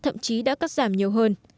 thậm chí đã cắt giảm nhiều hơn